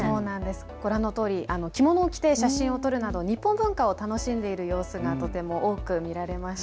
ご覧のとおり着物を着て写真を撮るなどして日本文化を楽しむ様子がとても多く見られました。